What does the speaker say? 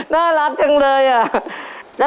น่ารักจังเลยอ่ะ